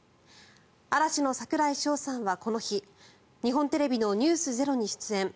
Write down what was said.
嵐の櫻井翔さんはこの日日本テレビの「ｎｅｗｓｚｅｒｏ」に出演。